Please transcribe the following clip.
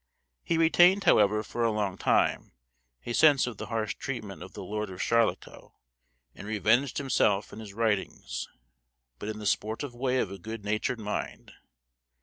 He retained, however, for a long time, a sense of the harsh treatment of the lord of Charlecot, and revenged himself in his writings, but in the sportive way of a good natured mind.